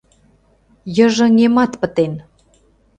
Йыжыҥемат пытен.